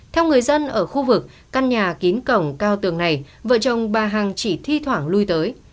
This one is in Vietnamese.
theo người dân ở khu vực căn nhà kín cổng cao tường này vợ chồng bà hằng chỉ thi thoảng lui tới